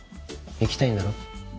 行きたいんだろ？